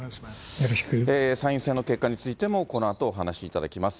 参院選の結果についても、このあとお話しいただきます。